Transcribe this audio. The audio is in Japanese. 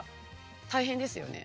大変ですよね。